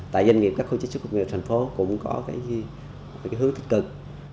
tại doanh nghiệp các khu chế xuất công nghiệp tp hcm cũng có hướng tích cực